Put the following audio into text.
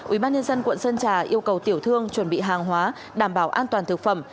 ubnd quận sơn trà yêu cầu tiểu thương chuẩn bị hàng hóa đảm bảo an toàn thực phẩm